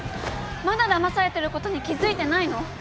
まだだまされてることに気付いてないの？